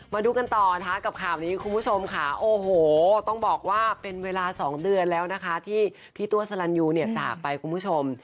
มาดูกันต่อนะคะกับข่าวนี้คุณผู้ชมค่ะโอ้โหต้องบอกว่าเป็นเวลา๒เดือนแล้วนะคะที่พี่ตัวสลันยูเนี่ยจากไปคุณผู้ชม